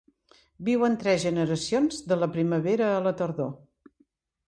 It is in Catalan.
Viu en tres generacions de la primavera a la tardor.